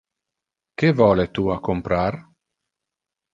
Que vole tu a comprar?